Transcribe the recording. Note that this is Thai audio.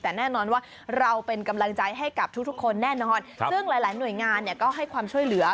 แต่แน่นอนว่าเราเป็นกำลังใจให้กับทุกคนแน่นอนซึ่งหลายหน่วยงานก็ให้ความช่วยเหลือ